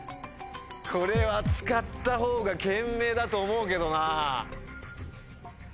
これは使ったほうが賢明だと思うけどな。